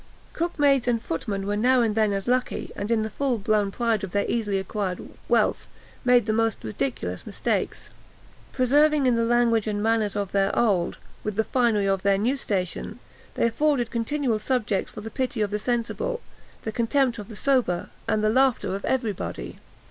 Cookmaids and footmen were now and then as lucky, and, in the full blown pride of their easily acquired wealth, made the most ridiculous mistakes. Preserving the language and manners of their old, with the finery of their new station, they afforded continual subjects for the pity of the sensible, the contempt of the sober, and the laughter of every body.